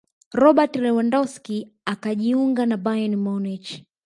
robert lewandowsk akajiunga na bayern munich